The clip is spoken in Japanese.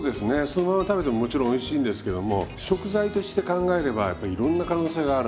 そのまま食べてももちろんおいしいんですけども食材として考えればやっぱりいろんな可能性があるんで。